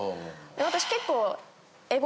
私結構。